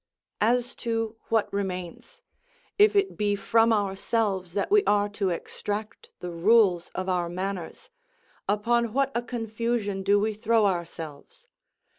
As to what remains, if it be from ourselves that we are to extract the rules of our manners, upon what a confusion do we throw ourselves!